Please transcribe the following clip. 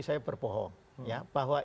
saya berbohong ya bahwa